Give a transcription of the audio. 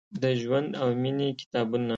د ژوند او میینې کتابونه ،